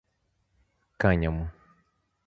cânhamo